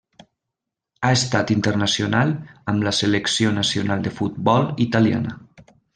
Ha estat internacional amb la selecció nacional de futbol italiana.